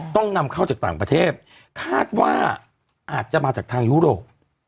ต้องนำเข้าจากต่างประเทศคาดว่าอาจจะมาจากทางยุโรป